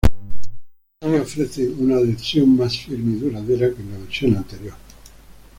Así ofrecen una adhesión más firme y duradera que en la versión anterior.